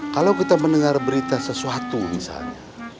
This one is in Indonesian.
kalau kita mendengar berita sesuatu misalnya